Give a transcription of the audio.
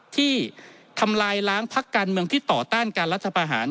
ที่ทำลายล้างพักการเมืองที่ต่อต้านการรัฐประหาร